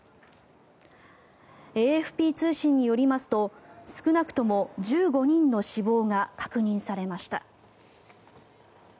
ＡＦＰ通信によりますと少なくとも１５人の死亡が確認されました。